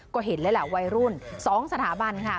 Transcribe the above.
ก็เห็นเลยแหละวัยรุ่น๒สถาบันค่ะ